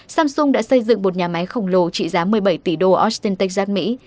samsung đã xây dựng một nhà máy khổng lồ trị giá một mươi bảy tỷ đô austin texas mỹ